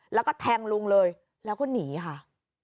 แล้วก็แทงลุงเลยแล้วก็หนีค่ะ